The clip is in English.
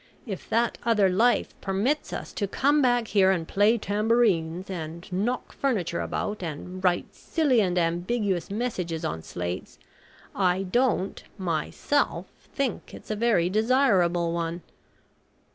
If that other life permits us to come back here and play tambourines, and knock furniture about, and write silly and ambiguous messages on slates, I don't myself think it's a very desirable one."